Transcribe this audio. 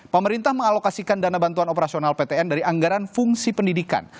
pemerintah mengalokasikan dana bantuan operasional ptn dari anggaran fungsi pendidikan